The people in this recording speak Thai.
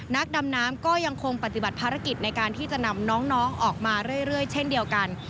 นักดำน้ำก็ยังคงปฏิบัติภารกิจในการที่จะนำน้องออกมาเรื่อยเช่นเดียวกัน